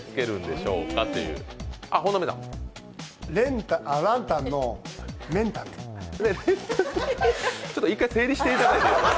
ちょっと１回整理していただいて。